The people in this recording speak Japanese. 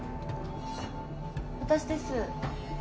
私です。